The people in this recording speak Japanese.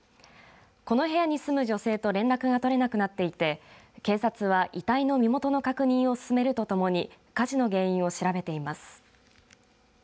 この部屋に住む女性と連絡が取れなくなっていて警察は、遺体の身元の確認を進めるとともに火事の原因を調べています。